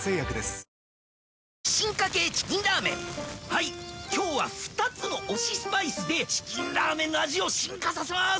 はいっ今日は二つの推しスパイスで『チキンラーメン』の味を進化させます